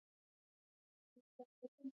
چنګلونه د افغانستان د ولایاتو په کچه توپیر لري.